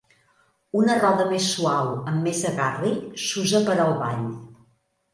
Una roda més suau amb més agarri s'usa per al ball.